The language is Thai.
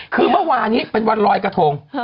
คือเมื่อวานี้เป็นวันลอยกระทง